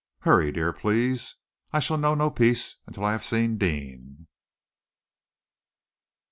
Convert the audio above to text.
Hurry, dear, please. I shall know no peace until I have seen Deane."